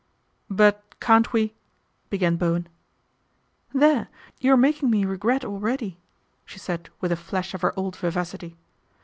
" But can't we ?" began Bowen. ' There, you are making me regret already," she said with a flash of her old vivacity.